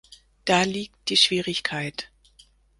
Da liegt die Schwierigkeit.